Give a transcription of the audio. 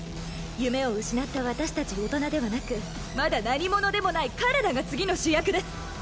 夢を失った私たち大人ではなくまだ何者でもない彼らが次の主役です！